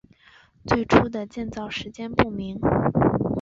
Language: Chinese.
最初的建造时间不明。